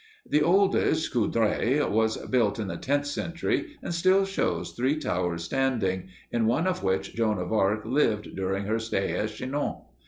The oldest, Coudray, was built in the tenth century, and still shows three towers standing, in one of which Joan of Arc lived during her stay at Chinon.